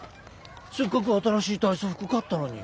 せっかく新しい体操服買ったのに。